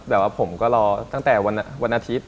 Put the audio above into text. แต่ว่าผมก็รอตั้งแต่วันอาทิตย์